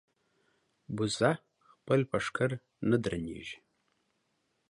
بزه خپل په ښکرو نه درنېږي.